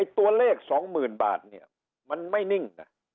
ตัวเลข๒๐๐๐๐บาทไม่นิ่ง